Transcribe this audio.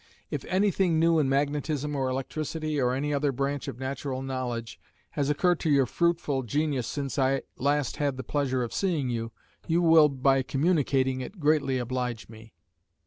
If anything new in magnetism or electricity, or any other branch of natural knowledge, has occurred to your fruitful genius since I last had the pleasure of seeing you, you will by communicating it greatly oblige me.